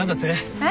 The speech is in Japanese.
えっ？